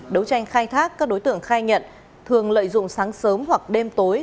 đấu tranh khai thác các đối tượng khai nhận thường lợi dụng sáng sớm hoặc đêm tối